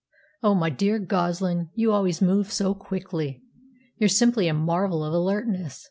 "Oh, my dear Goslin, you always move so quickly! You're simply a marvel of alertness."